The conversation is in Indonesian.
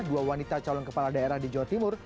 dua wanita calon kepala daerah di jawa timur